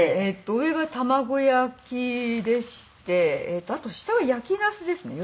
上が卵焼きでしてあと下は焼きナスですね。